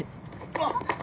あっ。